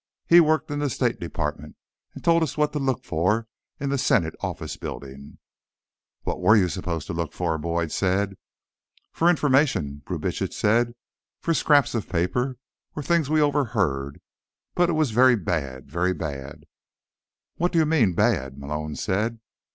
"He worked in the State Department, and he told us what to look for in the Senate Office Building." "What were you supposed to look for?" Boyd said. "For information," Brubitsch said. "For scraps of paper, or things we overheard. But it was very bad, very bad." "What do you mean, bad?" Malone said.